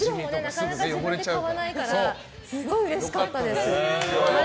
自分で買わないからすごいうれしかったです。